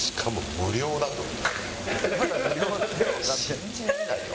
信じられないよ。